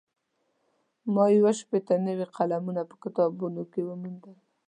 ما یو شپېته نوي قلمونه په کتابتون کې وموندل.